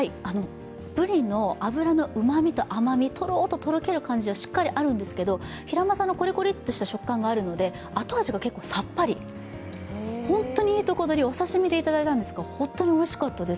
ブリの脂のうまみと甘み、とろっととろける食感はしっかりあるんですけど、ヒラマサのコリコリという食感があるので後味が結構さっぱり、本当にいいとこどり、お刺身で頂いたんですが、おいしかったです。